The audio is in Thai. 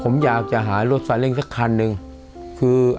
ผมอยากจะหารถสันเร็งสักครั้งนึงคือเอาเอาหมอนหรือที่นอนอ่ะมาลองเขาไม่เจ็บปวดครับ